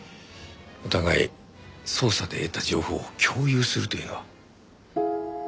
お互い捜査で得た情報を共有するというのは？